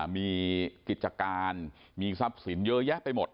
มีกิจการมีทรัพย์สินเยอะแยะไปหมด